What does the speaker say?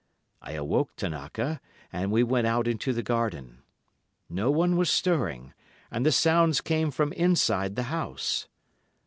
I awoke Tanaka, and we went out into the garden. No one was stirring, and the sounds came from inside the house.